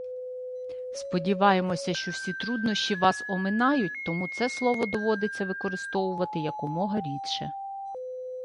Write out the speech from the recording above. Сподіваємося, що всі труднощі вас оминають, тому це слово доводиться використовувати якомога рідше.